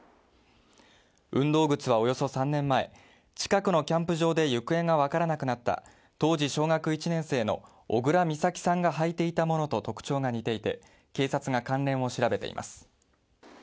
運動靴はおよそ３年前、近くのキャンプ場で行方が分からなくなった当時小学１年生の小倉美咲さんが履いていたものと特徴が似ていて、警察が関連を調べています。